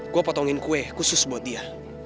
gue potongin kue khusus buat dia